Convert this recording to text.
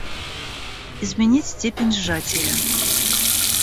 Изменить степень сжатия